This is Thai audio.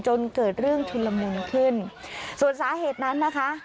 จนเกิดเรื่องชุนละมุนขึ้นส่วนสาเหตุนั้นนะคะ